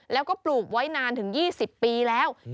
แล้วก็ปลูกไว้นานถึง๒๐ปีแล้ว